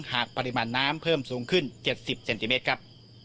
หากปริมาณน้ำเพิ่มสูงขึ้น๗๐เซนติเมตรครับ